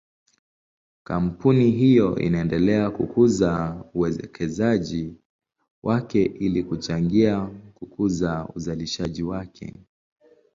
Kampuni hiyo inaendelea kukuza uwekezaji wake ili kuchangia kukuza uzalishaji wake.